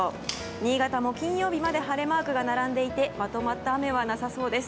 新潟も金曜日まで晴れマークが並んでいてまとまった雨はなさそうです。